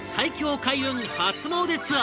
開運初詣ツアー